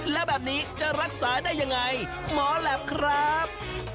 แล้วแบบนี้จะรักษาได้ยังไงหมอแหลปครับ